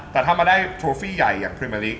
แต่ถ้ามาได้โชฟี่ใหญ่อย่างพรีเมอร์ลิก